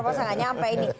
masa enggak nyampe ini